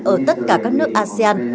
ở tất cả các nước asean